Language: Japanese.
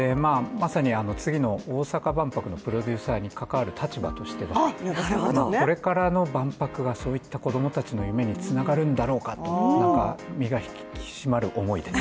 まさに、次の大阪万博のプロデューサーに関わる立場としてはこれからの万博がそういった子供たちの夢につながるんだろうかと、身が引き締まる思いです。